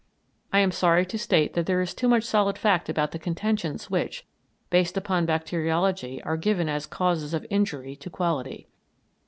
I am sorry to state that there is too much solid fact about the contentions which, based upon bacteriology, are given as causes of injury to quality....